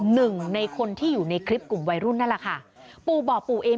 หนึ่งในคนที่อยู่ในคลิปกลุ่มวัยรุ่นนั่นแหละค่ะปู่บอกปู่เอง